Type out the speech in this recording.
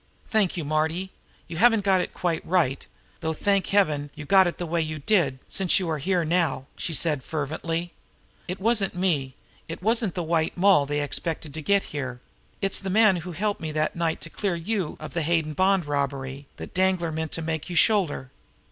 "Thank you, Marty! You haven't got it quite right though, thank Heaven, you got it the way you did, since you are here now!" she said fervently. "It wasn't me, it wasn't the White Moll, they expected to get here; it's the man who helped me that night to clear you of the Hayden Bond robbery that Danglar meant to make you shoulder.